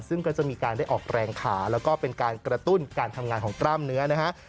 ซึ่งก็จะมีการได้ออกแรงขาแล้วก็เป็นการกระตุ้นการทำงานของกล้ามเนื้อนะฮะ